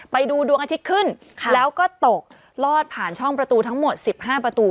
ไปดูดวงอาทิตย์ขึ้นแล้วก็ตกลอดผ่านช่องประตูทั้งหมด๑๕ประตู